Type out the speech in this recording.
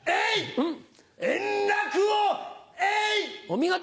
お見事。